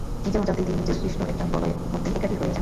নিজের অজান্তেই তিনি নিজের সৃষ্ট একটা বলয়ের মধ্যে একাকী হয়ে যান।